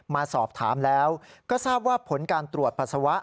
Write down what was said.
มาสอบถามแล้วก็ทราบว่าผลการตรวจปัสสาวะ